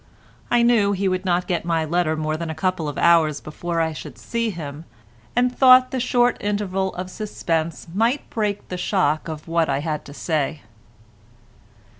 I knew he would not get my letter more than a couple of hours before I should see him, and thought the short interval of suspense might break the shock of what I had to say.